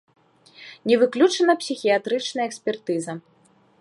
Не выключана псіхіятрычная экспертыза.